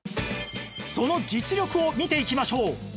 その実力を見ていきましょう